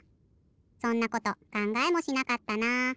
そんなことかんがえもしなかったな。